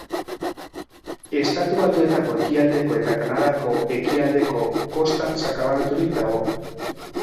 Estatu Batuetako ekialdeko eta Kanadako ekialdeko kostan sakabanaturik dago.